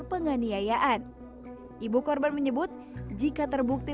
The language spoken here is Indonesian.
penganiayaan ibu korban menyebut jika terbukti